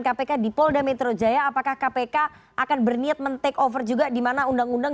kpk di polda metro jaya apakah kpk akan berniat men take over juga dimana undang undang